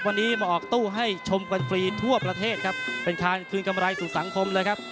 วันนี้มาออกตู้ให้ชมกันฟรีทั่วประเทศครับเป็นการคืนกำไรสู่สังคมเลยครับ